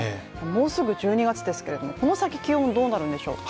もうすぐ１２月ですけれどもこの先、気温どうなるんでしょう。